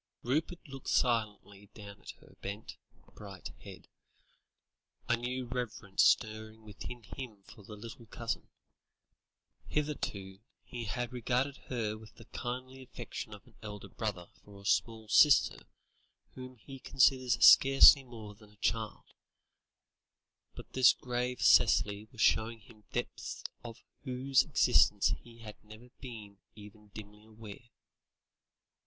Rupert looked silently down at her bent, bright head, a new reverence stirring within him for the little cousin. Hitherto, he had regarded her with the kindly affection of an elder brother for a small sister whom he considers scarcely more than a child; but this grave Cicely was showing him depths of whose existence he had never been even dimly aware.